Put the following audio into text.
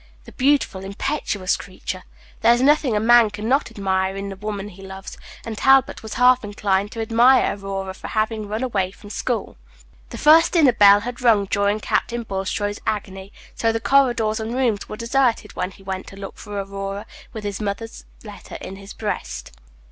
The beautiful, impetuous creature! There is nothing a man can not admire in the woman he loves, and Talbot was half inclined to admire Aurora for having run away from school. The first dinner bell had rung during Captain Bulstrode's agony; so the corridors and rooms were deserted when he went to look for Aurora, with his mother's letter in his breast.